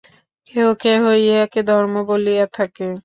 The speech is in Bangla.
কেহ কেহ ইহাকেই ধর্ম বলিয়া থাকে।